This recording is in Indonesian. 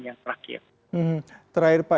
yang terakhir terakhir pak